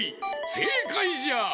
せいかいじゃ！